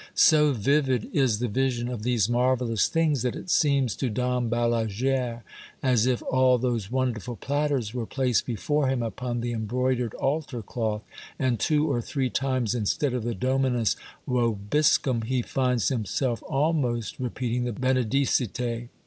So vivid is the vision of these marvellous things that it seems to Dom Balaguere as if all those wonderful platters were placed before him upon the embroidered altar cloth ; and two or three times instead of the Dominus Vobiscum he finds himself almost repeating the Benedicite.